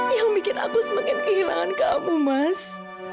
yang bikin aku semakin kehilangan kamu mas